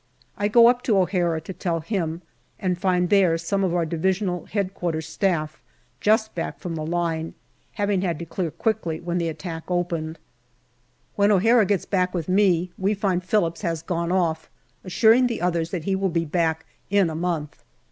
I go up to O'Hara to tell him, and find there some of our D.H.Q. Staff, just back from the line, having had to clear quickly when the attack opened. SEPTEMBER 231 When O'Hara gets back with me we find Phillips has gone off, assuring the others that he will be back in a month.